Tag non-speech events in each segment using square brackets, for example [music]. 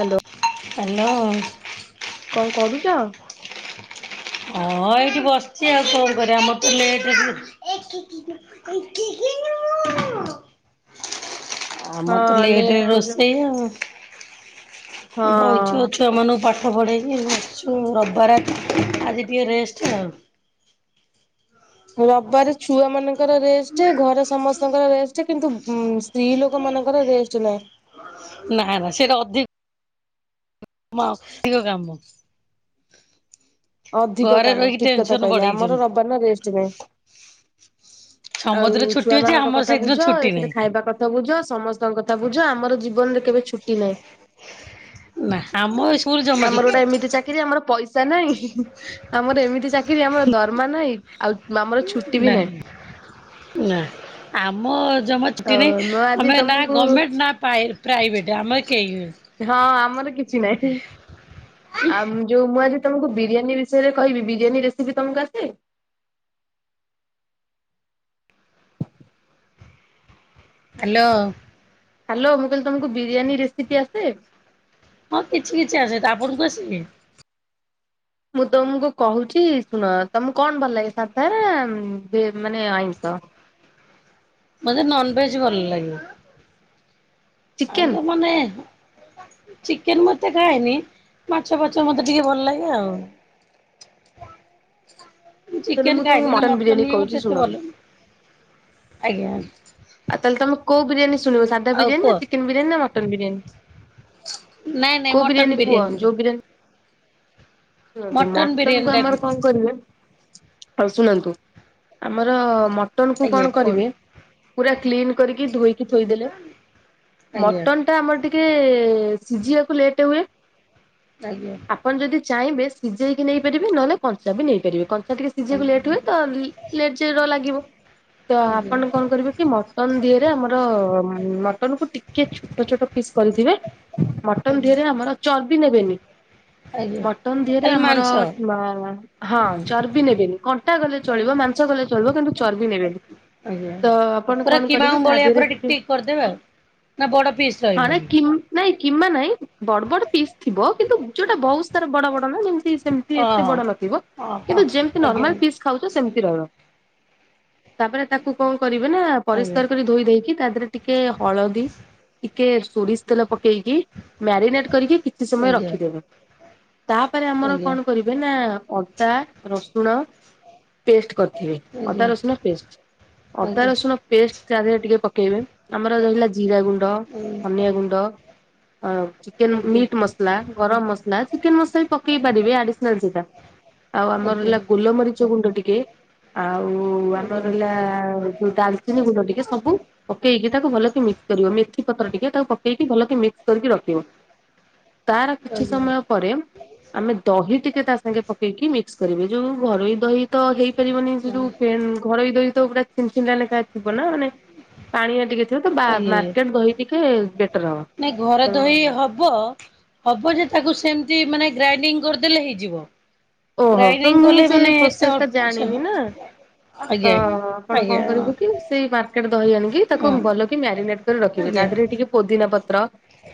Hello. Hello. କଣ କରୁଛ? ହଁ ଏଇଠି ବସିଛି ଆଉ କଣ କରିବ, ଆମର ତ ଲେଟରେ ରୋଷେଇ। [unintelligible] ହଁ ଆମର ତ ନେଟ ଲେଟରେ ପ୍ରୋବ୍ଲେମ ରୋଷେଇ ଆଉ। ହଁ। ବଇଛୁ ଛୁଆମାନ ପାଠ ପଢ଼େବି, [inaudible] ରବିବାର। ଆଜି ଟିକିେ ରେଷ୍ଟ ଆଉ। ରବିବାର ଛୁଆ ମାନଙ୍କର ରେଷ୍ଟ, ଘରେ ସମସ୍ତଙ୍କର ରେଷ୍ଟ। କିନ୍ତୁ ଉମ ସ୍ତ୍ରୀ ଲୋକ ମାନଙ୍କର ରେଷ୍ଟ ନାହିଁ। ନା ନା ସେଇଟା ଅଧିକ ମ ଧିକ କାମ। ଅଧିକ ଘରେ କାମ ରହିକି ଠିକ କଥା ଟେନସନ କହିଲେ ଆମର ବଢ଼େଇଛନ୍ତି ରବିବାର ରେଷ୍ଟ ନାଇଁ। ସମସ୍ତଙ୍କର ଆଉ ଛୁଟି ଛୁଆ ଅଛି ମାନଙ୍କ ଆମର କଥା ସେଇଦିନ ବୁଝ ଛୁଟି ଏଥିରେ ନାହିଁ ଖାଇବା କଥ ଥ ବୁଝ ସମସ୍ତଙ୍କ କଥା ବୁଝ ଆମର ଜୀବନରେ କେବେ ଛୁଟି ନାଇ ନା ଆମ ସ୍କୁଲ ଜମା ଆମର ଛୁଟି ଗୋଟେ ଏମିତି ଚାକିରି ଆମର ପଇସ ଚା ପିଇଲୁ ନାଇଁ ଆମର ଏମିତି ଚାକିରି ଆମର ଦରମା ନାଇ। ଆଉ ଆମର ଛୁଟି ବି ନାହିଁ ନାଇ। ନା ଆମ ଜମା ଛୁଟି ଆଉ ନାଇ ମୁଁ ଆଜି ଆମେ ନା ତମକୁ ଗମେଣ୍ଟ ନା ପାଏ ପ୍ରାଇଭେଟ୍ ଆମ କେହି ନୁଏ। ହଁ ଆମର କିଛି ନାହିଁ ଆ ଯୋଉ ମୁଁ ଆଜି ତମକୁ ବିରିୟାନୀ ବିଷୟରେ କହିବି ବିରିୟାନୀ ରେସିପି ତମକୁ ଆସେ? ହାଲୋ। ହାଲୋ ମୁଁ କହିଲି ତମକୁ ବିରିୟାନୀ ରେସିପି ଆସେ? ହଁ କିଛି କିଛି ଆସେ ତପରକୁ ଆସେନି। ମୁଁ ତମକୁ କହୁଛି ଶୁଣ ତମକୁ କଣ ଭଲ ଲାଗେ ସାଧାନା ମାନେ ଅଇଁଷ? ମତେ ନନ ଭେଜେ ଭଲ ଲାଗେ। ଆଉ ଚିକେନ ଜୋଉ ମାନେ ଚିକେନେ ମତେ ଖାଏନି ମାଛ ଫାଛ ମତେ ଟିକେ ଭଲ ଲାଗେ ଆଉ। ମୁଁ ତାହେଲେ ଚିକେନେ ତମକୁ ଖାଇନି ନା ବିରିୟାନୀ ମଟନ ବି କହୁଛି ମତେ ଶୁଣ। ଏତେ ଭଲନି ଆଜ୍ଞା। ଆଉ ତାହେଲେ ତମେ କଉ ବିରିୟାନୀ ଶୁଣିବ ସାଧା ଆଉ ବିରିାନି କୁହ ନା ଚିକେନେ ବିରିୟାନୀ ନା ମଟନ ବିରିୟାନୀ? ନାଇଁ ନାଇଁ କୋଉ ମଟନ ବିରିୟାନୀ କୁହ ଯୋଉ ବିରିୟାନୀ ଶୁଣନ୍ତୁ ମଟନ ବିରିୟାନୀ କୁ ଟା ଆମର କୁହ କଣ କରିବା ଆଉ ଶୁଣନ୍ତୁ ଆମର ମଟନ କୁ ଆଜ୍ଞା କଣ କରିବେ କୁହନ୍ତୁ ପୁରା କ୍ଲିନ କରିକି ଧୋଇକି ଥୋଇଦେଲେ ଆଜ୍ଞା ମଟନ୍ ସେଇଟା ଆମର ଟିକେ ସିଝିବାକୁ ଲେଟେ ହୁଏ। ଆଜ୍ଞା। ଆପଣ ଯଦି ଚାହିଁବେ ସିଝେଇକି ନେଇପାରିବେ ନହେଲେ କଂଞ୍ଚା ବି ନେଇପାରିବେ କଂଞ୍ଚା ଟିକେ ସିଝେଇବାକୁ ଲେଟ୍ ଆଜ୍ଞା ହୁଏ ତ ଲେଚେର ଲାଗିବ ତ ଆଜ୍ଞା ଆପଣ କଣ କରିବେ କି ମ ମଟ ଦିଅରେ ଆମର ମଟନ କୁ ଟିକେ ଛୋଟ ଛୋଟ ପିସ୍ କରିଥିବେ। ମଟନ ଧିହରେ ଆମର ଚର୍ବି ନେବେନି। ଆଜ୍ଞା ମଟନ୍ ଦେହରେ ଖାଲି ଆମର ମାଂସ ହଁ ହୁଁ ଚର୍ବି ନେବେନି କଣ କଟା ଗଲେ ଚଳିବ ମାଂସ ଗଲେ ଚଳିବ କିନ୍ତୁ ଚର୍ବି ନେବେନି। ଆଜ୍ଞା ତ ଆପଣ ପୁରା କଣ କରିବେ କିିବାମ୍ୱ ତା ଭଳିଇଆ ଦେହରେ ପୁରା ଟିକ୍ ଟିକେ ଟିକ୍ କରିଦେବେ ଆଉ। ନା ବଡ ପିସ୍ ହଁ ରହିବ ନାଇଁ କି ବି ନାଇଁ କିମ୍ମା ନାଇଁ ବଡ ବଡ ପିସ୍ ଥିବ କିନ୍ତୁ ଯୋଉଟା ବହୁତ ସାରା ବଡ ବଡ ନା ଯେମିତି ଯେମିତି ଏତ ଓହୋ। ବଡ ଓହୋ ନଥିଙ୍କିନ୍ତୁ ଜେମିତି ଆଜ୍ଞା ନର୍ମଲ ତିଥି ଖାଉଛ ସେମିତି ରହିବ ତାପରେ ତାକୁ କଣ କରିବେ ନା ଆଜ୍ଞା ପରିଷ୍କାର କରି ଧୋଇ ଦେଇକି ତା ଦେହରେ ଟିକେ ହଳଦୀ ଟିକେ ସୋରିଷ ତେଲ ପକେଇକି ମ୍ୟାରିନେଟ୍ କରିକି କିଛି ସମୟ ଆଜ୍ଞା ଆଜ୍ଞା ରଖିଦେବ। ତାପରେ ଆମର ଆଜ୍ଞା। କଣ କରିବେ ନା ଅଦା ରସୁଣ ପେଷ୍ଟ କରିଥିବେ? ଅଟା ଆଜ୍ଞା ରସୁଣ ପେଷ୍ଟ ଆଜ୍ଞା ଅଟା ଆଜ୍ଞା ଆଜ୍ଞା ରସୁଣ ପେଷ୍ଟ ତାହରେ ଟିକେ ପକେଇବେ ଆମର ରା ଜିରା ଗୁଣ୍ଡ ଧନିଆ ଗୁଣ୍ଡ ଅ ଚିକେନ୍ ଆଜ୍ଞା। ମିଟ୍ ମସଲା ଗରମ ମସଲା ଚିକେନ୍ ମସଲା ପକେଇ ପାରିବେ ଆଡିସ୍ନାଲ ସେଟା ଆଉ ଆମର ହେଲା ଗୋଲମରିଚ ଗୁଣ୍ଡ ଟିକେ ଆଉ ଆମର ଆଜ୍ଞା ହେଲା ଯୋଉଟା ଚିନି ଗୁଣ୍ଡ ଟିକେ ସବୁ ପକେଇକି ତାକୁ ଭଲକି ମିକ୍ସ କରିବ ମେଥି ପତ୍ର ଟିକେ ତାକୁ ପକେଇକି ଭଲକ ମିକ୍ସ କରିକି ରଖିବ ତାର କିଛି ସମୟ ପରେ ଆମେ ଦହି ଟିକେ ତା ସାଙ୍ଗେ ପକେଇକି ମିକ୍ସ କରିବେ ଯୋଉ ଘରୋଇ ଦହି ତ ହେଇପାରିବନି ସେ ଯେହେତୁ ଘରୋଇ ଦହି ତ ପୁରା ଛି ଛିଣ୍ଡା ଲେଖା ଥିବ ନା ମାନେ ପାଣିଆ ଟିକେ ଥିବ ତ ଆଜ୍ଞା ମାର୍କେଟ ଦହି ଟିକେ ବେଟର ହବ। ନାଇଁ ଘର ଦହି ତ ହବ୍ ବ ହବ ଯେ ତାକୁ ସେମିତି ମାନେ ଗ୍ରାଇଡିଙ୍ଗ କରିଦେଲେ ହେଇଯିବ। ଓହୋ ତ ଗ୍ରାଇଣ୍ଡିଙ୍ଗ ମୁଁ କଲେ ମାନେ ସେଇ ଏତେ ପ୍ରୋସେସ୍ ଅଳ୍ପ ଟା ଆଜ୍ଞା ଜାଣିନି ନା। ତ ଆପଣ କଣ ଆଜ୍ଞା କରିବୁ କି ସେଇ ମାର୍କେଟ ଦହି ଆଣିକି ହଁ ତାକୁ ହଁ ଭଲ କି ମ୍ୟାରିନେଟ ରଖିବେ ତା ଆଜ୍ଞା। ଦେହରେ ଟିକେ ପୋଦିନା ପତ୍ର,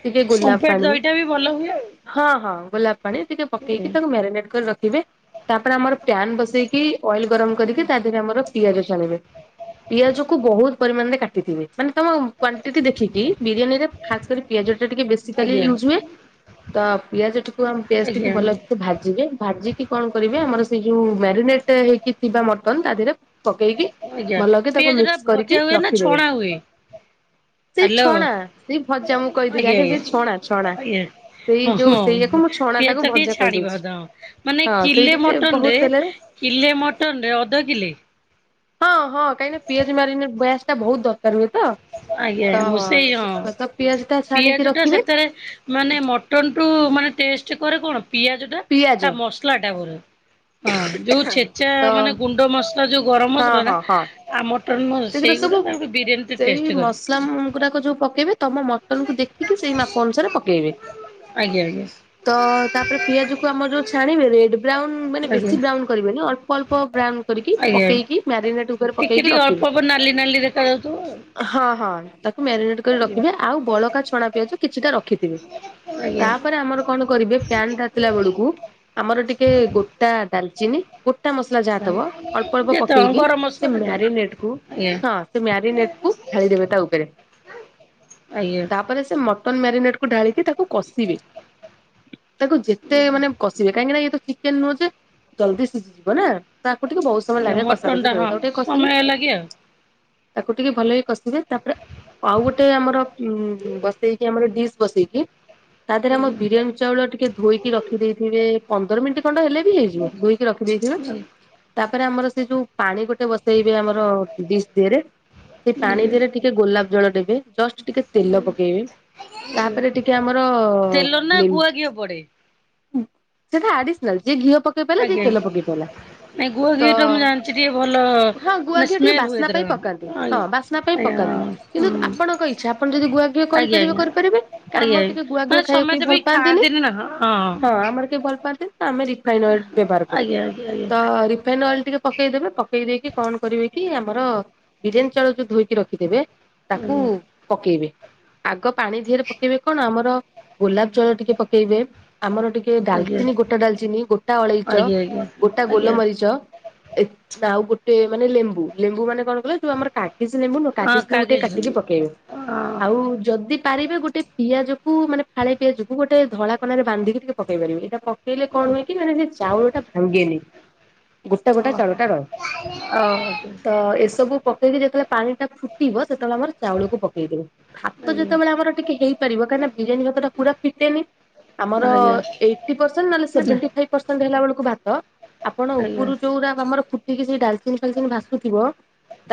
ଟିକେ ଗୋଲାପ ଓମ୍ଫେଡ ପାଣି। ଦହିଟା ବି ଭଲ ହୁଏ ଆଉ। ହଁ ହଁ, ଗୋଲାପ ପାଣି ଟିକେ ଆଜ୍ଞା ପକେଇକି ତାକୁ ମ୍ୟାରିନେଟ କରି ରଖିବେ। ତାପରେ ଆମର ପ୍ୟନ୍ ବସେଇ କି ଅଏଲ ଗରମ କରିକି ତା ଦେହରେ ଆମର ପିଆଜଛାଣିବେ। ପିଆଜ କୁ ବହୁତ ପରିମାଣରେ କାଟିଥିବେ। ମାନେ ତମ କ୍ୱଣ୍ଟିଟି ଦେଖିକି ବିରିୟାନୀରେ ଫାସ୍ କରି ପିଆଜ ଟା ଟିକେ ବେଶିକାଲି ଆଜ୍ଞା ୟୁଜ୍ ହୁଏ। ତ ପିଆଜ ଟିକୁ ଆମେ ପେଷ୍ଟକୁ ଆଜ୍ଞା ଭଲସେ ଭାଜିବେ। ଭାଜ ଜିକି କଣ କରିବେ ଆମର ସେ ଯୋଉ ମ୍ୟାରିନେଟ ହେଇକି ଥିବା ମଟନ ତା ଦେହରେ ପକେଇକି ଆଜ୍ଞା। ଭଲକି ତାକୁ ପିଆଜ ଟା ମିକ୍ସ ଭଜା କରିକି ହୁଏ ନା ରଖିଦେବେ। ଛଣା ହୁଏ? ସେଇ ହ୍ୟାଲୋ ଛଣା ସେ ଭଜା ମୁଁ କହିଥିଲି ଆଜ୍ଞା ସେ ଛଣା ଛଣା। ସେଇ ହ ଯୋଉ ହଁ ସେଇଆକୁ ମୁଁ ଛଣା ପିଆଜ ଟାକୁ ଟା ଭଜା ଟିକେ କହିଦଉଛି [unintelligible] ମାନେ ହଁ ସେଇ କିଲେ ଟିକେ ବହୁତ ମଟନରେ ତେଲରେ କିଲେ ମଟନରେ ଅଧ କିଲେ ହଁ ହଁ କାହିଁକି ନା ପିଆଜ ମାରିନେଟ୍ ବୟାସ ଟା ବହୁତ ଦରକାର ହୁଏ ତ। ଆଜ୍ଞା ମୁଁ ସେଇ ହଁ ତ ତ ପିଆଜ ଟା ଛାଣିକି ପିଆଜ ଟା ରଖିବେ ସେଥେରେ ମାନେ ମଟନ ଟୁ ମାନେ ଟେଷ୍ଟ କରେ କଣ ପିଆଜ। ପିଆଜ ତା ମସଲା କର ହଁ ଯୋଉ ଛେଚା ତ ମାନେ ଗୁଣ୍ଡ ମସଲା। ଯଉ ଗରମ ହଁ ମସଲା ଟା ହଁ ହଁ ଆଉ ମଟନ୍ ସେଗୁରା ସବୁ ସେଇଗୁରା ତାଙ୍କୁ ବିରିୟାନୀ ସେଇ ମସଲା ଗୁରାକ ଯୋଉ ପକେଇବେ ତମ ମଟନ କୁ ଦେଖିକି ସେଇ ମାପ ଅନୁସାରେ ପକେଇବେ। ଆଜ୍ଞା ଆଜ୍ଞା ତ ତାପରେ ପିଆଜ କୁ ଆମର ଯୋଉ ଛାଣିଦେବେ ରେଡ ବ୍ରାଉନ ମାନେ ଆଜ୍ଞା। ବେଶୀ ବ୍ରାଉନ କରିବେନି ଅଳ୍ପ ଅଳ୍ପ ବ୍ରାଉନ କରିକି ଆଜ୍ଞା ଆଜ୍ଞା। ପକେଇକି ମ୍ୟାରିନେଟ ଉପରେ ଟିକେ ପକେଇକି ଟିକେ ଅଳ୍ପ ରଖିବେ। ଅଳ୍ପ ନାଲି ନାଲି ଦେଖ ଖା ଯାଉଥିବ। ହଁ ହଁ ତ ମାରିନେଟ କରି ଆଜ୍ଞା। ରଖିବେ ଆଉ ବଳକା ଛଣା ପିଆଜ କିଛିଟା ରଖିଥିବେ। ଆଜ୍ଞା ତାପରେ ଆମର କଣ କରିବେ ପ୍ୟାନ ତାତିଲା ବେଳକୁ? ଆମର ଟିକେ ଗୋଟା ଡାଲଚିନି ଗୋଟା ମସଲା ଆଜ୍ଞା। ଯାହାଦବ। ଅଳ୍ପ ଅଳ୍ପ ଦେଇଦବ ପକେଇକି ଗରମ ମସଲା ସେ ଦେଇଦବ ମ୍ୟାରିନେଟ କୁ ଆଜ୍ଞା। ହଁ ସେ ମ୍ୟାରିନେଟ କୁ ଢାଳି ଦେବେ ତା ଉପରେ। ଆଜ୍ଞା। ତାପରେ ସେ ମଟନ ମ୍ୟାରିନେଟ୍କୁୁ ଢାଳିକି ତାକୁ କଷିବେ। ତାକୁ ଯେତେ ମାନେ କଷିବେ। କାହିଁକି ନା ଇଏ ତ ଚିକେନ ନୁହଁ ଯେ ଜଲଦି ସିଝିଯିବ ନା? ତ ଆକୁ ଟିକେ ବହୁତ ସମୟ ଆଜ୍ଞା ଲାଗେ ମଟନଟା କଷାକଷି ହଁ କରିବାକୁ। ତାକୁ ଟିକେ ସମୟ କଷିଲୁ। ଲାଗେ ଆଉ। ତାକୁ ଟିକେ ଭଲକି କଷିବେ ତାପରେ ଆଉ ଗୋଟେ ଆମର ଉ ବସେଇକି ଆମର ଡିସ୍ ବସେଇକି। ତା ଦେହରେ ଆମ ବିରିୟାନୀ ଚାଉଳ ଟିକେ ଧୋଇ କି ରଖିଦେଇଥିବେ ପନ୍ଦର ମିନିଟ୍ ଖଣ୍ଡ ହେଲେ ବି ହେଇଯିବ ଧୋଇକି ରଖିଦେଇଥିବେ। ତାପରେ ଆମର ସେ ଯୋଉ ପାଣି ଗୋଟେ ବସେଇବେ ଆମର ଡିସ୍ ଦେହରେ। ସେଇ ପାଣି ଆଜ୍ଞା। ଦେହରେ ଟିକେ ଗୋଲାପ ଜଳ ଦେବେ। ଜଷ୍ଟ ଟିକେ ତେଲ ପକେଇବେ। ତାପରେ ଟିକେ ଆମର ତେଲ ନା ଲିମ୍ବ ଗୁଆ ଘିଅ ପଡେ? ସେଟା ଆଡିସନାଲ ଯେ ଘିଅ ପ କେଇ ପାରିଲା ଯିଏ ଆଜ୍ଞା ତେଲ ପକେଇ ପାରିଲା ନାଇଁ ଗୁଆ ତ ଘିଅ ଟା ମୁଁ ଜାଣିଛି ଟିକେ ଭଲ ହଁ ଗୁଆ ମାନେ ଘିଅ ଟିକେ ସ୍ମେଲ ବାସ୍ ହୁଏ ତାର ପକାନ୍ତି ହଁ ଆଜ୍ଞା ବାସ୍ନା ପାଇଁ ଆଜ୍ଞା ପକାନ୍ତି। କିନ୍ତୁ ଆପଣଙ୍କ ଇଚ୍ଛା ଆପଣ ଯଦି ଗୁଆ ଘିଅ ଆଜ୍ଞା କରିପାରିବେ ଆଜ୍ଞା। କରିପାରିବେ। ଆମର ଆଜ୍ଞା ଟିକେ ଗୁଆ ଘିଅ ମାନେ ଖାଇବାକୁ ଏ ସମେତେ ଭଲ ବି ପାଆନ୍ତିନି। ଖାଆନ୍ତିନି ନା ହଁ ହଁ। ଆମର କେହି ଭଲ ପାଆନ୍ତିନି ତ ଆମେ ରିଫାଇନ ଅଏଲ୍ ବ୍ୟବହାର କରୁ ଆଜ୍ଞା ଆଜ୍ଞା ଆଜ୍ଞା। ତ ରିଫାଇନ ଅଏଲ୍ ଟିକେ ପକେଇଦେବେ ପକେଇ ଦେଇକି କଣ କରିବେ କି ଆମର ବିରିୟାନୀ ଚାଉଳ ଯୋଉ ଧୋଇକି ରଖିଥିବେ। ତାକୁ ଆଜ୍ଞା ପକେଇବେ। ଆଗ ପାଣି ଦିହରେ ପକେଇବେ କଣ ଆମର ଗୋଲାପ ଜଳ ଟିକେ ପକେଇବେ। ଆମର ଟିକେ- ଆଜ୍ଞା ଡାଲଚିନି ଗୋଟା ଡାଲଚିନି, ଗୋଟା ଅଳେଇଚ, ଆଜ୍ଞା ଆଜ୍ଞା ଗୋଟା ଆଜ୍ଞା ଗୋଲମରିଚ- ଏ ଆଉ ଗୋଟେ ମାନେ ଲେମ୍ବୁ ଲେମ୍ବୁ ମାନେ କଣ କଲେ ଯୋଉ ଆମର କା- କିଛି ନେବୁ ନୁହଁ ହଁ କାଗିଜି ଲେମ୍ବୁଟେ କାଗଜ କାଟିକି ପକେଇବେ ଆଉ ଓହୋ ଯଦି ପାରିବେ ଗୋଟେ ପିଆଜକୁ ମାନେ ଫାଳେ ପିଆଜକୁ ଗୋଟେ ଧଳା କନାରେ ବାନ୍ଧିକି ଟିକେ ପକେଇ ପାରିବେ ଏଇଟା ପ ପକେଇଲେ କଣ ହୁଏ କି ମାନେ ସେ ଚାଉଳ ଟା ଭାଙ୍ଗେନି ଗୋଟା ଗୋଟା ଚାଉଳ ଟା ରହେ। [unintelligible] ଅହ। ତ ଏସବୁ ପକେଇକି ଯେତେବେଳେ ପାଣିଟା ଫୁଟିବ ସେତେବେଳେ ଆମର ଚାଉଳକୁ ପକେଇଦବୁ। ଭାତ ଆଜ୍ଞା। ଯେତେବେଳେ ଆମର ଟିକେ ହେଇପାରିବ କାହିଁକିନା ବିରିୟାନୀ ଭାତ ଟା ପୁରା ଫିଟେନି। ଆମର ଆଜ୍ଞା ଏଇଟି ପର୍ସେଣ୍ଟ ନହେଲେ ମାନେ ସେଭେଣ୍ଟି ଫାଇଭ ପରସେଣ୍ଟ ହେଲା ବେଳକୁ ଭାତ ଆପଣ ଆଜ୍ଞା ଆଜ୍ଞା ଉପରୁ ଯଉରା ତମର ଫୁଟିକି ସେ ଡାଲଚିନ ଫାଲଚିନ ଭାସ କୁହ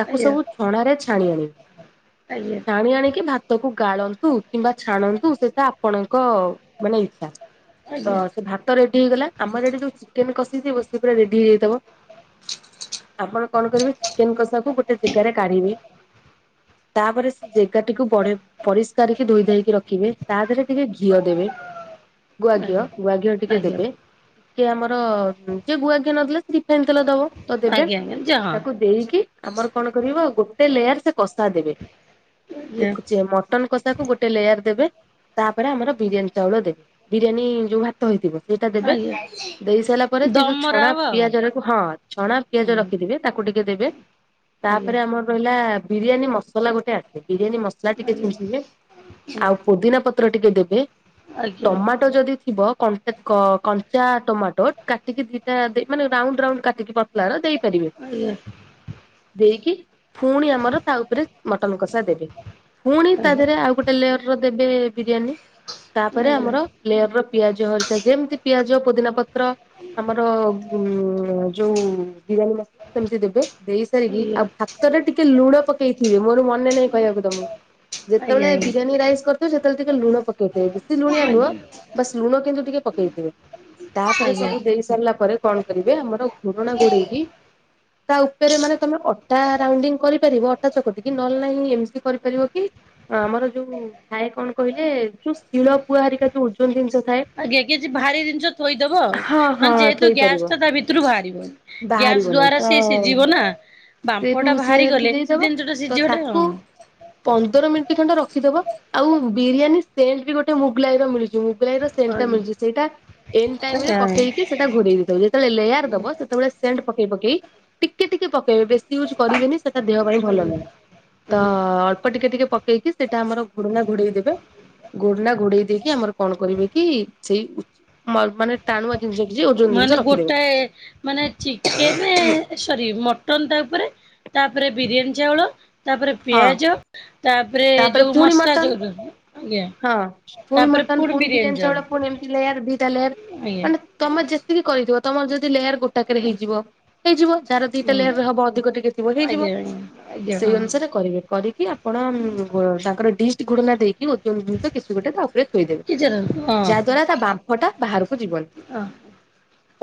ତାକୁ ସବୁ ଛଣାରେ ଛାଣିବେ। ଆଜ୍ଞା ଆଜ୍ଞା [unintelligible] ଆଣି ଆଣିକି ଭାତକୁ ଗାଳନ୍ତୁ କିମ୍ବା ଛାଣନ୍ତୁ ସେଇଟା ଆପଣଙ୍କ ମାନେ ଇଚ୍ଛା। ତ ଆଜ୍ଞା। ସେ ଭାତ ରେଡି ହେଇଗଲା। ଆମର ଏଠି ଯୋଉ ଚିକେନ କଷି ଥିବୁ ସିଏ ପୁରା ରେଡି ହେଇଯାଇଥିବ। ଆପଣ କଣ କରିବେ ଚିକେନ କଷା କୁ ଗୋଟେ ଗିନାରେ କାଢିବେ? ତାପରେ ସେ ଜାଗାଟିକୁ ବଢେଇ ପରିଷ୍କାର କିି ଧୋଇ ଧୋଇକି ରଖିବେ ତା ଦେହରେ ଟିକେ ଘିଅ ଦେବେ। ଗୁଆଘିଅ ଗୁଆଘିଅ ଆଜ୍ଞା ଟିକେ ଆଜ୍ଞା ଦେବେ। କି ଆମର ଯିଏ ଗୁଆଘିଅ ନଦେଲା ସେ ରିଫାଇନ ତେଲ ଦବ ଦେବେ। ଯାହା ତାକୁ ଦେଇକି ଆମର କଣ କରିବ ଗୋଟେ ଲେୟାର ସେ କଷା ଦେବେ। ଆଜ୍ଞା। ମଟନ କଷାକୁ ଗୋଟେ ଲେୟାର ଦେବେ ତାପରେ ଆମର ବିରିୟାନୀ ଚାଉଳ ଦେବେ। ବିରିୟାନୀ ଯୋଉ ଭା - ଥୋଇଥିବେ ସେଇଟା ଦେବେ। ଆଜ୍ଞା ଦେଇ ସାରିଲା ପରେ ସେଇ ଯୋଉ ଦମରା ଛଣା ହବ ଆଉ ପିଆଜରକୁ ହଁ ଛଣା ହୁଁ ପିଆଜ ରଖିଥିବେ। ତାକୁ ଟିକେ ଦେବେ। ଆଜ୍ଞା। ତାପରେ ଆମର ରହିଲା ବିରିୟାନୀ ମସଲା ଗୋଟେ ଆସେ ବିରିୟାନୀ ମସ ସ୍ଲାଇଡ୍ ଟିକେ ଆଜ୍ଞା ଛିଞ୍ଚିବେ ହୁଁ ଆଉ ପୁଦିନା ପତ୍ର ଟିକେ ଦେବେ ଆଜ୍ଞା ଆଜ୍ଞା ଟମାଟୋ ଯଦି ଥିବ କଞ୍ଚା କ କଞ୍ଚା ଟମାଟୋ କାଟିକି ଦିଟା ମାନେ ରାଉଣ୍ଡ ରାଉଣ୍ଡ କାଟିକି- ଲାଳ ଦେଇପାରିବେ। [unintelligible] ଦେଇକି ଫୁଣି ଆମର ତା ଉପରେ ମଟନ କଷା ଦେବେ ଫୁଣି ତା ଆଜ୍ଞା ଆଜ୍ଞା ଆଜ୍ଞା ଦେହରେ ଆଉ ଗୋଟେ ଲେୟର ର ଦେବେ ବିରିୟାନୀ ତାପରେ ଆଜ୍ଞା ଆମର ଲେୟର ର ପିଆଜ ହରିକା ଯେମିତି ପିଆଜ ପୋଦିନା ପତ୍ର ଆମର ଉ ଯୋଉ ବିରିୟାନୀ ମସଲା ସେମିତି ଦେବେ। ଦେଇ ସାରିକି ଆଉ ଭାତରେ ଟିକେ ଲୁଣ ପକେଇଥିବେ ମୋର ମନେ ନାଇଁ କହିବାକୁ ତମକୁ। ଆଜ୍ଞା ଯେତେବେଳେ ବିରିୟାନୀ ରାଇସ୍ କରି ସେତେବେଳେ ଟିକେ ଲୁଣ ପକେଇଥିବେ ବେଶୀ ଲୁଣିଆ ନୁହଁ ଆଜ୍ଞା। ବାସ୍ ଲୁଣ କିନ୍ତୁ ଟିକେ ପକେଇଥିବେ। ତାପରେ ସବୁ ଦେଇ ସାରିଲା ପରେ କଣ କରିବେ ଆମର ଘୁଡୁଣା ଘୋଡେଇକି ତା ଉପରେ ମାନେ ତମେ ଅଟା ରାଉଣ୍ଡିଂ କରିପାରିବ ଅଟା ଚକଟି କି ନ ହେଲେ ନାହିଁ ଏମିତି କରିପାରିବ କି ଆମର ଯୋଉ ଥାଏ କଣ କହିଲେ ଯୋଉ ଶିଳ ପୁଆ ହାରିକା ଯୋଉ ଓଜନ ଜିନିଷ ଥାଏ ଆଜ୍ଞା କିଛି ଭାରି ଜିନିଷ ଥୋଇଦବ ଆଉ ହଁ ହଁ ମାନେ ଯେହେତୁ ଗ୍ୟାସ ଟା ତା ଭିତରୁ ବାହାରିବନି। ଗ୍ୟାସ ବାହାରିବନି। ଦ୍ଵାରା ତ ସିଏ ସିଝିବ ନା। ବାମ୍ଫ ସେଇଠୁ ଟା ସେ ବାହାରି ଏମିତି ଗଲେ ଦେଇଦବ ଜିନିଷ ଟା ତ ସିଝିବାଟା ହଁ। ତାକୁ ପନ୍ଦର ମିନିଟ୍ ଖଣ୍ଡେ ରଖିଦବ ଆଉ ବିରିୟାନୀ ସେଣ୍ଟ ବି ଗୋଟେ ମୁଗଲାଇ ର ମିଳୁଛି ମୁଗଲାଇ ର ସେଇଟା ଆଜ୍ଞା ମିଳୁଚି ସେଇଟା ଏଣ୍ଡ ଟାଇମ ରେ ଆଜ୍ଞା ଆଜ୍ଞା ପକେଇକି ସେଟା ଘୋଡେ଼ଇ ଦେଇଥିବ ଯେତେବେଳେ ଲେୟାର ଦବ ସେତବେଳେ ସେଣ୍ଟ ପକେଇ ପକେଇ ଟିକେ ଟିକେ ପକେଇବେ ବେଶୀ ୟୁଜ କରିବେନି ସେଟା ଦେହ ପାଇଁ ଭଲ ନୁହେଁ ତ ଆଜ୍ଞା। ଅଳ୍ପ ଟିକେ ଟିକେ ପ ସେଇଠି ସେଟା ଆମର ଘୋଡ଼ଣା ଘୋଡ଼େଇ ଦେବେ। ଘୋଡଣା ଘୋଡେଇ ଦେଇକି ଆମର କଣ କରିବେ କି ସେଇ [unintelligible] ମା ମାନେ ଟାଣୁଆ ଜିନିଷ [unintelligible] ମାନେ ରଖିଦେବେ ଗୋଟେଏ, ମାନେ ଚିକେନ୍ ଏ ସରି ମଟନ୍ ତା ଉପରେ, ତାପରେ ବିରିୟାନୀ ଚାଉଳ, ତାପରେ ହଁ ପିଆଜ। ତାପରେ ଯୋଉ ପୁଣି ମସଲା ମଟନ ଦୋଉଚନ୍ତି ହଁ ପୁଣି ମଟନ ପୁଣି ବିରିୟାନୀ ଚାଉଳ ପୁଣି ଏମିତି ଲେୟାର ଦିଟା ଲେୟାର ଆଜ୍ଞା ମାନେ ତମେ ଯେତେ କରିଥିବ ତମର ଯଦି ଲେୟାର ଗୋଟେ - ଟକରେ ହେଇଯିବ ହେଇଯିବ ଯାହାର ଦିଟା ହୁଁ ଲେୟାର ରେ ହବ ଅଧିକ ଟିକେ ଥିବ ଆଜ୍ଞା ହେଇଯିବ। ଆଜ୍ଞା ସେଇ ଆଜ୍ଞା ହଁ ଅନୁସାରେ କରିବେ। କରିକି ଆପଣ ତାଙ୍କର ଡିଷ୍ଟ ଗୁଡନା ଦେଇକି ଓଜନ କିଛି ଗୋଟେ ତା ଉପରେ କିଚେର ଥୋଇଦେବେ ହଁ ଯାହା ଦ୍ଵାରା ତା ବାମ୍ଫ ଟା ବାହାରକୁ ଯିବନି। ହଁ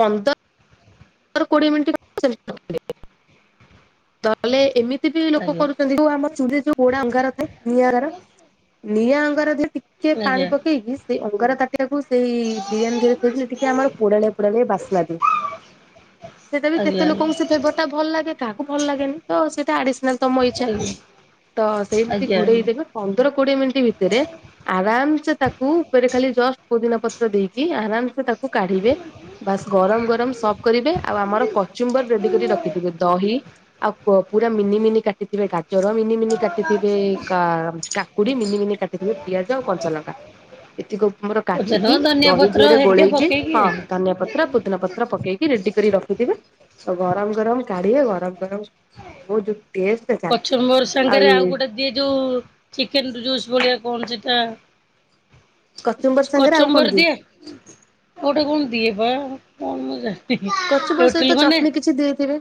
ପନ୍ଦର ରୁ କୋଡିଏ ମିନିଟ [unintelligible] ତ [inaudible] କଲେ ଏମିତି ବି ଲୋକ ଆଜ୍ଞା କରୁଛନ୍ତି। ଯୋଉ ଆମ ଚ ଯୋଉ ଗୋଡା ଅଙ୍ଗାର ଥାଏ ନିଆର। ନିଆଁ ଅଙ୍ଗାରରେ ଟିକେ ପାଣି ଆଜ୍ଞା ପକେଇକି ସେଇ ଅଙ୍ଗାର ତାଟିିବାକୁ ସେଇ ବିରିୟାନୀରେ ଥୋଇଥିଲେ ଟିକେ ଆମର ପୋଳାଳିଆ ବାସନା ଦିଏ। ସେଟା ବି କେତେ ଆଜ୍ଞା ଲୋକଙ୍କ ସେ ଫ୍ଲେବର୍ ଟା ଭଲ ଲାଗେ କାହାକୁ ଭଲ ଲାଗେନି ତ ସେଇଟା ଆଡିଷ୍ଣଲ ତମ ଇଛା। ଆଜ୍ଞା ଆଜ୍ଞା ତ ସେମିତି ଘୋଡେଇ ଆଜ୍ଞା ଦେବେ ପନ୍ଦର କୋଡିଏ ମିନିଟ୍ ଭିତରେ ଆରାମ ସେ ତାକୁ ଉପରେ ଖାଲି ଜଷ୍ଟ ପୁଦିନା ପତ୍ର ଦେଇକି, ଆରାମ ସେ ତାକୁ କାଢିବେ। ବାସ୍ ଗରମ ଗରମ ସବ କରିବେ ଆଉ ଆମର କଚୁମ୍ବର ରେଡି କରି ରଖିଥିବେ ଦହି ଆଉ କୁଅ ପୁରା ମିନି ମିନି କାଟିଥିବେ ଗା ଜର ମିନି ମିନି କାଟିଥିବେ କା କାକୁଡି ମିନିମିନି କାଟିଥିବେ ପିଆଜ ଆଉ କଞ୍ଚା ଲଙ୍କା। ଏତିକ ଉପମୋର ପଚାର କାଟିକି, ଧନିଆ ଦହି ପତ୍ର ଦିହରେ ହେରିକା ଗୋଳେଇକି ପକେଇକି ହଁ ଆଜ୍ଞା। ଧନିଆ ପତ୍ର ପୁ ପୁଦୀନା ପତ୍ର ପକେଇକି ରେଡି କରି ରଖିଥିବେ। ଗରମ ଗରମ କାଢିବେ ଗରମ ଗରମ ହଯୋଉ ଟେଷ୍ଟ ଚାଙ୍ଗା। କାଚୁବର୍ ସାଙ୍ଗରେ ଆଉ ଗୋଟେ ଦିଏ ଯୋଉ ଚିକେନ୍ ଜୁସ୍ ଭଳିଆ କଣ ସେଟା କଚୁମ୍ବର ସାଙ୍ଗରେ ଆଉ କଣ କଚମ୍ବର ଦିଏ। କୋଉଟି କଣ ଦିଏ ବା କଣ ମୁଁ ଜାଣିନି। କଚୁମ୍ବର ସହିତ ହୋଟେଲ ଗଲି ଚଟଣି [unintelligible] କିଛି ଦେଇଥିବେ।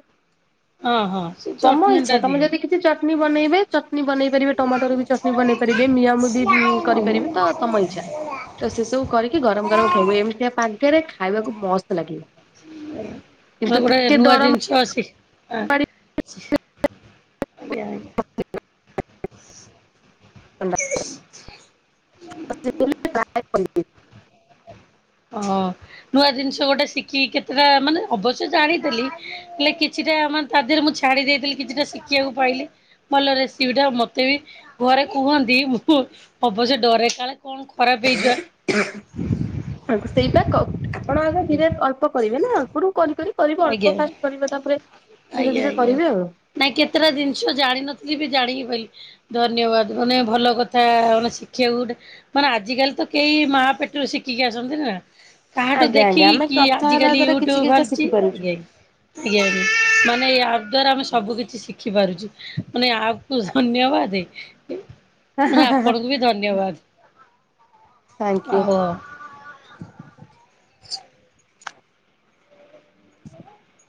ହଁ ହଁ ସେ ତମ ଚଟଣି ଟା ଇଚଛା ଦିଏ। ତମେଦ କିଛି ଚଟନୀ ବନବେ ଚଟୀ ବନେଇ ପାରିବ ଟମାୋରେ ବି ଚଟ ବନେଇ ନିୟମ ବି ଆଉ କରିପାରିବେ ତ ସମଇଛା ତ ସେସବୁ କରିକି ଗରମ ଗରମ ଖାଇବୁ ଏମିତିଆ ପାଖରେ ଖାଇବାକୁ ମସ୍ତ ଲାଗିବ। କିନ୍ତୁ ଗୋଟେ ଟିକେ ନୂଆ ଡର ଜିନିଷ ଅଛି। ହଁ ମାଡି ଆଜ୍ଞା ଆଜ୍ଞା ହ [inaudible] [inaudible] ଅ [inaudible] [inaudible] [unintelligible] ଓ ନୂଆ ଜିନିଷ ଗୋଟେ ଶିଖିକି କେତେଟା ମାନେ ଅବଶ୍ୟ ଜ ଆଣିଥିଲି। ହେଲେ କିଛିଟା ମାନେ ତା ଦେହରେ ମୁଁ ଛାଡି ଦେଇଥିଲି କିଛିଟା ଶିଖିବାକୁ ପାଇଲି। ଭଲ ରେସିବିିଟା ଆଉ ମତେ ବି- ଘରେ କୁହନ୍ତି। ମୁଁ ଅବଶ୍ୟ ଡରେ କାଳେ କଣ ଖରାପ ହେଇଯିବା। ଆ ସେଇଟା ଆପଣ ଆଗ ଧୀରେ ଅଳ୍ପ କରିବେ ନା ଅଳ୍ପରୁ କରି କରି- କରିବ ଅଳ୍ପ ଆଜ୍ଞା। ଫାଷ୍ଟ କରିବ ତାପରେ ଧୀରେ ଆଜ୍ଞା ଧୀରେ ଆଜ୍ଞା। କରିବେ ଆଉ ନାଇଁ କେତେଟା ଜିନିଷ ଜାଣିନଥିଲି ବି ଜାଣିକି ବୋଲି ଧନ୍ୟବାଦ। ମାନେ ଭଲ କଥା ମାନେ ଶିଖିବାକୁ ଗୋଟେ ମାନେ ଆଜିିକାଲି ତ କେହି ମା ପେଟରୁ ଶିଖିକି ଆସଛନ୍ତି ନା। କାହାଠୁ ଆଜ୍ଞା ଆଜ୍ଞା ଦେଖିକି ଆମେ କି କଥା ହେଲା ଆଜିକାଲି ଦ୍ଵାରା କିଛି ୟୁଟ୍ୟୁବ କିଛିଟା ବାହାରଛି ଶିଖିପାରୁଛୁ। ଆଜ୍ଞା୍ଞା। ମାନେ ୟା ଦ୍ଵାରା ଆମେ ସବୁ କିଛି ଶିଖି ପାରୁଛୁ। ମାନେ ଆପକୁ ଧନ୍ୟବାଦ ହେ। ମାନେ ଆପଣଙ୍କୁ ବି ଧନ୍ୟବାଦ। ଥ୍ୟାଙ୍କୟୁ। ଆଉ [inaudible] [inaudible]